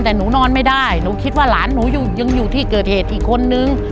แต่หนูนอนไม่ได้หนูคิดว่าหลานหนูยังอยู่ที่เกิดเหตุอีกคนนึง